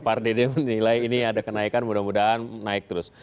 pak dede menilai ini ada kenaikan mudah mudahan naik terus